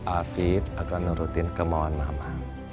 afib akan nurutin kemauan mama